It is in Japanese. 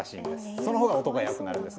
そのほうが音が良くなるんです。